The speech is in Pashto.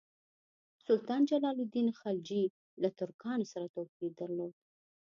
سلطان جلال الدین خلجي له ترکانو سره توپیر درلود.